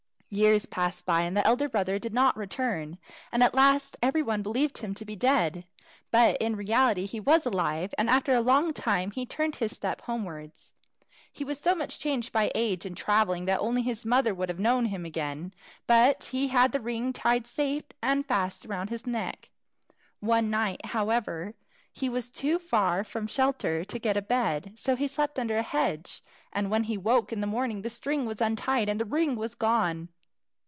Years passed by, and the elder brother did not return, and at last every one believed him to be dead. But in reality he was alive, and after a long time he turned his steps homewards. He was so much changed by age and travelling that only his mother would have known him again, but he had the ring tied safe and fast round his neck. One night, however, he was too far from shelter to get a bed, so he slept under a hedge, and when he woke in the morning the string was untied and the ring was gone.